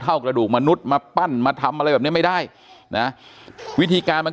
กระดูกมนุษย์มาปั้นมาทำอะไรแบบนี้ไม่ได้นะวิธีการมัน